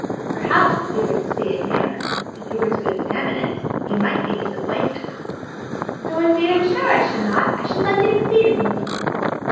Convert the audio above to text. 'Perhaps, if you were to see it nearer, if you were to examine it, you might be disappointed.' 'No, indeed, I'm sure I should not; I should like it exceedingly.'